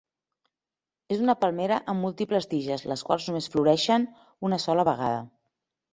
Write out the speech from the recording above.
És una palmera amb múltiples tiges les quals només floreixen una sola vegada.